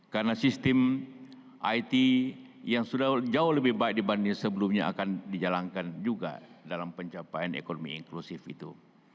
karena sistem it yang sudah jauh lebih baik dibanding sebelumnya akan dijalankan juga dalam pencapaian ekonomi inklusif itu